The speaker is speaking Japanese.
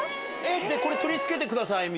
これ、取り付けてくださいみ